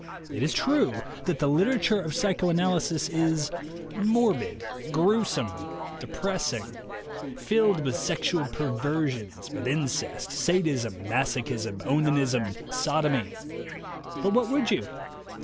It is true that the 86 THE WAY TO WILL POWER literature of psychoanalysis is morbid, gruesome, depressing; filled with sexual perversions, with in cest, sadism, masochism, onanism, sodomy; but what would 3 ou?